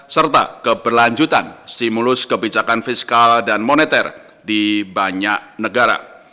serta keberlanjutan stimulus kebijakan fiskal dan moneter di banyak negara